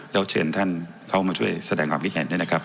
แล้วเชิญท่านเข้ามาช่วยแสดงความคิดเห็นด้วยนะครับ